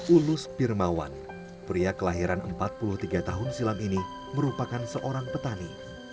ulus pirmawan pria kelahiran empat puluh tiga tahun silam ini merupakan seorang petani